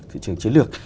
thị trường chiến lược